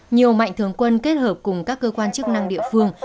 nhiều mạnh thường quân kết hợp cùng các cơ quan chức năng địa phương